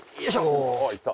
おいった！